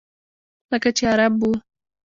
لکه چې عرب و.